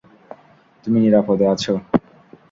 তুমি নিরাপদে আছো।